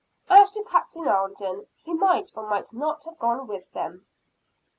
As to Captain Alden, he might or might not have gone with them.